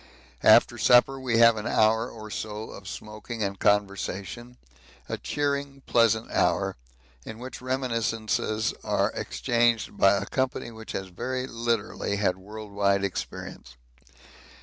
After supper we have an hour or so of smoking and conversation a cheering, pleasant hour in which reminiscences are exchanged by a company which has very literally had world wide experience.